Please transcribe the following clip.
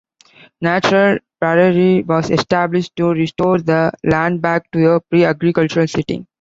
Natural prairie was established to restore the land back to a pre-agricultural setting.